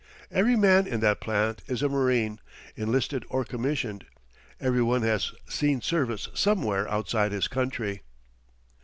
Every man in that plant is a marine, enlisted or commissioned. Every one has seen service somewhere outside his country.